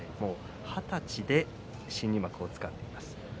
二十歳で新入幕をつかんでいます。